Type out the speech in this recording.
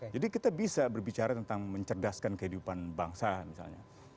kita bisa berbicara tentang mencerdaskan kehidupan bangsa misalnya